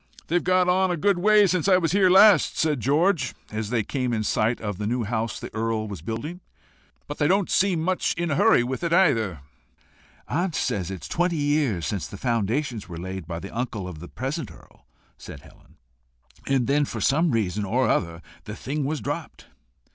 "They've got on a good way since I was here last," said George, as they came in sight of the new house the new earl was building. "But they don't seem much in a hurry with it either." "Aunt says it is twenty years since the foundations were laid by the uncle of the present earl," said Helen; "and then for some reason or other the thing was dropped."